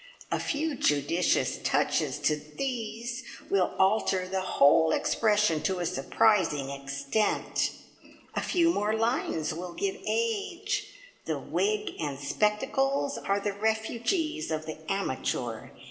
A few judicious touches to these will alter the whole expression to a surprising extent. A few more lines will give age. The wig and spectacles are the refuges of the amateur.